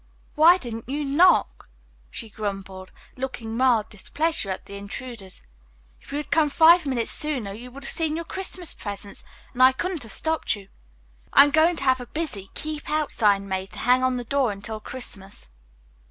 "Why didn't you knock!" she grumbled, looking mild displeasure at the intruders. "If you had come five minutes sooner you would have seen your Christmas presents, and I couldn't have stopped you. I'm going to have a 'Busy, Keep Out' sign made to hang on the door until Christmas."